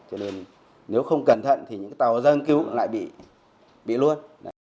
cho nên nếu không cẩn thận thì những cái tàu ra ứng cứu lại bị luôn